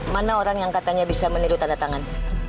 mana orang yang katanya bisa meniru tanda tangan